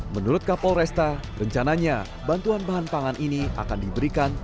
menurut kapolresta rencananya bantuan bahan pangan ini akan diberikan